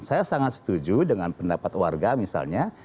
saya sangat setuju dengan pendapat warga misalnya